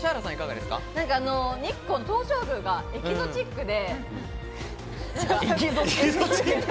なんか日光東照宮がエキゾチックで。